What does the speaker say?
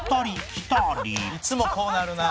「いつもこうなるな」